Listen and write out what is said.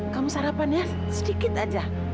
kamu sarapan ya sedikit saja